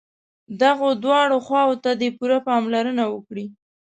دغو دواړو خواوو ته دې پوره پاملرنه وکړي.